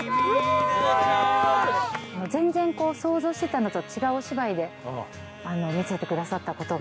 全然こう想像してたのと違うお芝居で見せてくださった事が。